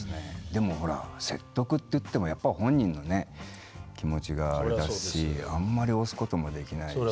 でもほら説得って言ってもやっぱり本人の気持ちがあれだしあんまり押すこともできないし。